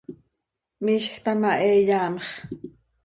Miizj taa ma, he iyaamx.